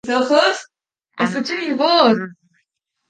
El nombre significa "cerro de las nueve estrellas" en lengua zoque.